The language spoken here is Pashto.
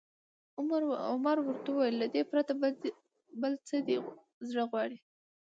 عمر ورته وویل: له دې پرته، بل څه دې زړه غواړي؟